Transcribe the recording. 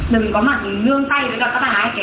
đừng có mặn nương tay với các bà ái